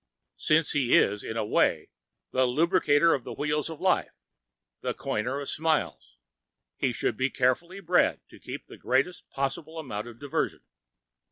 Since he is, in a way, the lubricator of the wheels of life, a coiner of smiles, he should be carefully bred to give the greatest possible amount of diversion.